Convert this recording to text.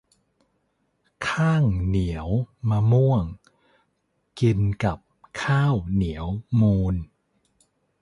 ข้างเหนียวมะม่วง กินกับข้าวเหนียวมูน